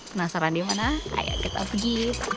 penasaran dimana ayo kita pergi